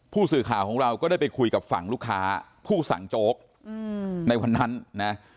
ผู้สื่อข่าวของเราก็ได้ไปคุยกับฝั่งลูกค้าผู้สั่งโจ๊กในวันนั้นนะ